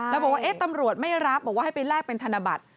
แล้วบอกว่าตำรวจไม่รับบอกว่าให้ไปแลกเป็นธนบัตร